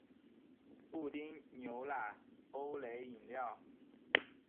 布丁牛奶欧蕾饮料